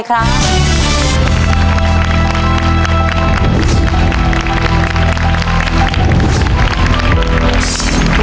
ชุดที่๔ห้อชุดที่๔